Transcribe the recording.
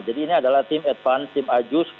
jadi ini adalah tim advance tim adjust